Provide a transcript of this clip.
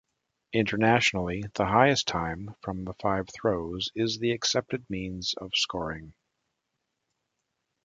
Internationally, the highest time from the five throws is the accepted means of scoring.